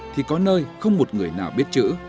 thì chỉ có một người nào biết chữ